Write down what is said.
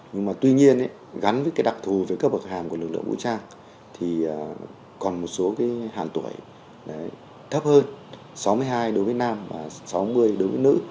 nhưng mà tuy nhiên gắn với cái đặc thù về cấp bậc hàm của lực lượng vũ trang thì còn một số cái hạn tuổi thấp hơn sáu mươi hai đối với nam và sáu mươi đối với nữ